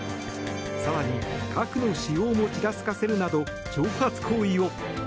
更に核の使用もちらつかせるなど挑発行為を。